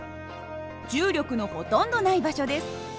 重力のほとんどない場所です。